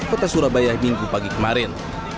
kota surabaya minggu pagi kemarin